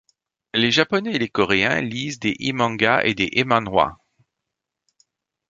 Les Japonais et les Coréens lisent des e-manga et des e-manhwa.